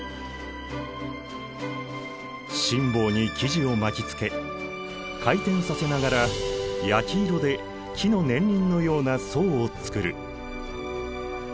心棒に生地を巻きつけ回転させながら焼き色で木の年輪のような層を作る。